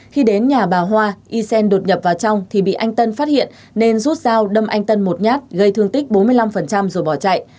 khi đến nhà bà hoa y xen đột nhập vào trong thì bị anh tân phát hiện nên rút dao đâm anh tân một nhát gây thương tích bốn mươi năm rồi bỏ chạy